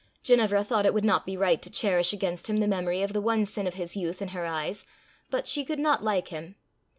Ginevra thought it would not be right to cherish against him the memory of the one sin of his youth in her eyes, but she could not like him.